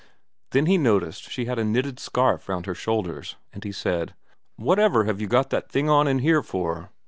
Then he noticed she had a knitted scarf round her shoulders, and he said, ' Whatever have you got that thing on in here for